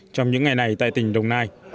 trong những ngày này tại tỉnh đồng nai